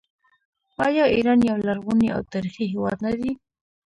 آیا ایران یو لرغونی او تاریخي هیواد نه دی؟